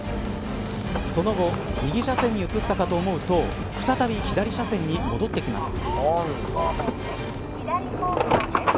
その後、右車線に移ったかと思うと再び左車線に戻ってきます。